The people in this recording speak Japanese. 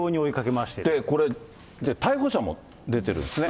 これ、逮捕者も出てるんですね。